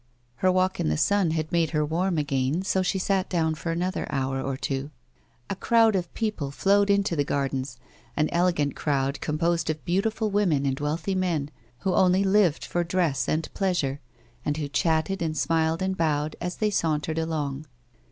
Her walk in the sim had made her warm again, so she sat down for another hour or two. A crowd of people flowed into the gardens — an elegant crowd composed of beautiful women and wealthy men, who only lived for dress and pleasure, and who chatted and smiled and bowed as they sauntered along.